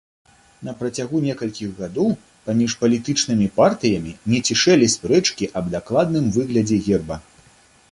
На працягу некалькіх гадоў паміж палітычнымі партыямі не цішэлі спрэчкі аб дакладным выглядзе герба.